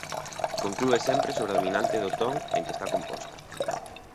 Conclúe sempre sobre a dominante do ton en que está composta.